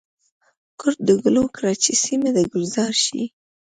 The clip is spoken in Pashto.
کرد د ګلو کړه چي سیمه د ګلزار شي.